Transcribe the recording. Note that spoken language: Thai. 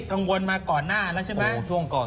กังวลมาก่อนหน้าแล้วใช่ไหม